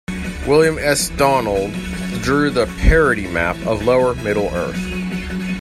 William S. Donnell drew the "parody map" of Lower Middle Earth.